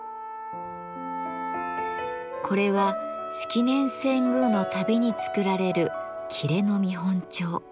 これは式年遷宮のたびに作られる裂の見本帳。